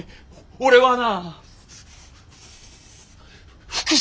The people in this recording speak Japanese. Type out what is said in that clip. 俺はな！